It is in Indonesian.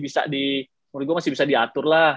bisa di menurut gue masih bisa diatur lah